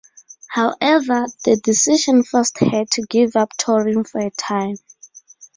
However, the decision forced her to give up touring for a time.